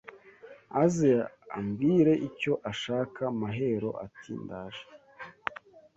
Aze ambwire icyo ashaka Mahero ati: ndaje